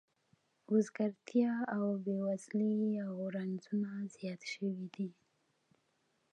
وزګارتیا او بې وزلي او رنځونه زیات شوي دي